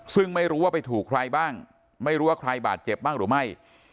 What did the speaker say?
ซึ่งไม่รู้ว่าไปถูกใครบ้างไม่รู้ว่าใครบาดเจ็บบ้างหรือไม่